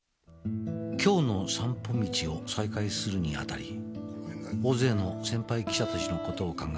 「『京の散歩道』を再開するにあたり大勢の先輩記者たちの事を考えた」